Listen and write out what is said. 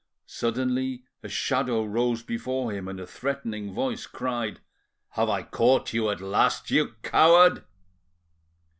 Suddenly a shadow rose before him and a threatening voice cried— "Have I caught you at last, you coward?"